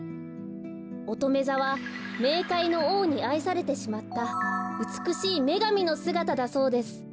おとめざはめいかいのおうにあいされてしまったうつくしいめがみのすがただそうです。